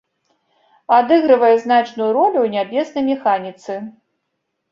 Адыгрывае значную ролю ў нябеснай механіцы.